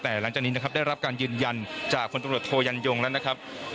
แต่หลังจากนี้นะครับได้รับการยืนยันจากคนตำรวจโทยันยงแล้วนะครับ